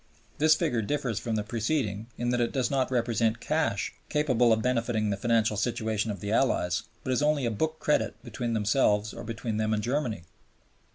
This figure differs from the preceding in that it does not represent cash capable of benefiting the financial situation of the Allies, but is only a book credit between themselves or between them and Germany.